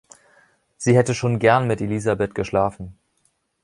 Sie hätte schon gern mit Elisabeth geschlafen.